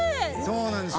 そうなんです。